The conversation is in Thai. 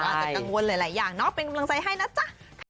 ตะได้กังวลหลายอย่างเป็นกำลังไส่ให้นะจ๊ะ